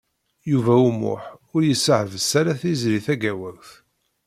Yuba U Muḥ ur yessehbes ara Tiziri Tagawawt.